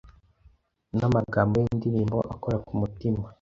n’amagambo y’indirimbo akora ku mitima